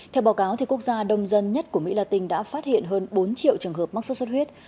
theo báo cáo quốc gia đông dân nhất của mỹ latin đã phát hiện hơn bốn triệu trường hợp mắc sốt xuất huyết